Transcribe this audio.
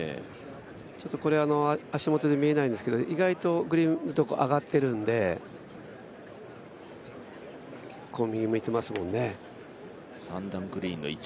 ちょっとこれは足元で見えないんですけど意外とグリーンのところ上がっているんで、結構右向いてますもんね。